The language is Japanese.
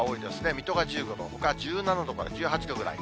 水戸が１５度、ほか１７度から１８度ぐらい。